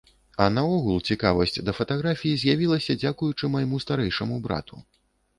А наогул, цікавасць да фатаграфіі з'явілася дзякуючы майму старэйшаму брату.